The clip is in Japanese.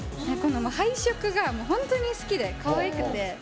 配色が本当に好きでかわいくて。